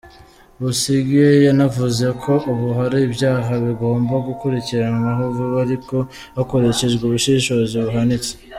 Busingye yanavuze ko ubu hari ibyaha bigomba gukurikiranwa vuba ariko hakoreshejwe ubushishozi buhanitse.